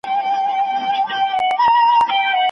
چي اغزن دي هر یو خیال وي له بیابان سره همزولی